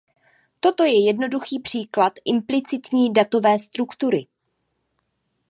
Toto je jednoduchý příklad implicitní datové struktury.